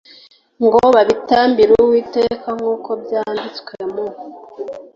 ngo babitambire uwiteka nk uko byanditswe mu